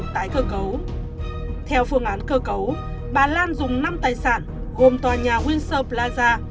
tại cơ cấu theo phương án cơ cấu bà lan dùng năm tài sản gồm tòa nhà windsor plaza